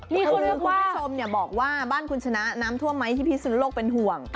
คุณผู้ชมบอกว่าบ้านคุณชนะน้ำท่วมไหมที่พิสุนโลกเป็นห่วง